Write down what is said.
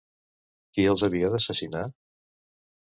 Qui els havia d'assassinar?